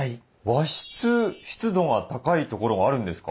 和室湿度が高い所があるんですか？